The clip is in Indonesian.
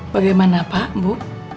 bagaimana pak bu